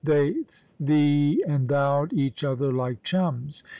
They thee and thou'd each other like chums.